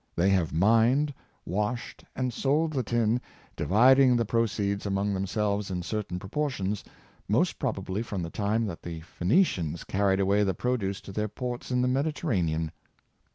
They have mined, washed, and sold the tin, dividing the proceeds among them selves in certain proportions — most probably from the time that the Phoenicians carried away the produce to their ports in the Mediterranean.